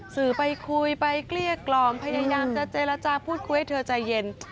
สื่อไปคุยไปเกลี้ยกล่อมพยายามจะเจรจาพูดคุยให้เธอใจเย็น